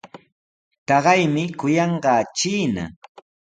Taqaymi kuyanqaa chiina.